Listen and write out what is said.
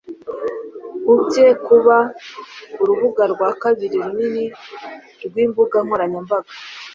Uibye kuba urubuga rwa kabiri runini rwimbuga nkoranyambaga